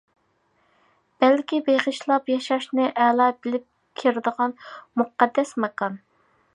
بەلكى بېغىشلاپ ياشاشنى ئەلا بىلىپ كىرىدىغان مۇقەددەس ماكان!